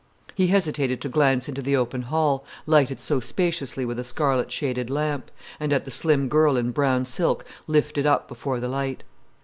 He hesitated to glance into the open hall, lighted so spaciously with a scarlet shaded lamp, and at the slim girl in brown silk lifted up before the light.